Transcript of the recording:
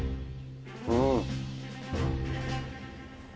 うん。